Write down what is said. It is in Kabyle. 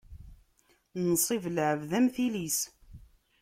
Nnṣib n lɛebd, am tili-s.